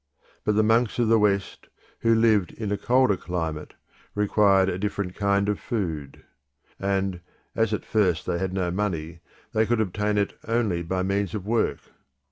But the monks of the West, who lived in a colder climate, required a different kind of food; and as at first they had no money, they could obtain it only by means of work.